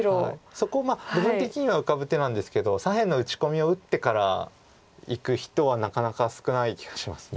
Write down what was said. そこ部分的には浮かぶ手なんですけど左辺の打ち込みを打ってからいく人はなかなか少ない気がします。